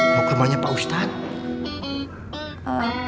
mau ke rumahnya pak ustadz